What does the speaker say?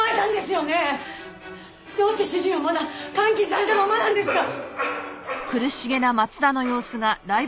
どうして主人はまだ監禁されたままなんですか！？